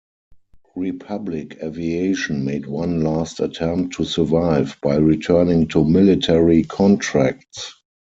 Republic Aviation made one last attempt to survive by returning to military contracts.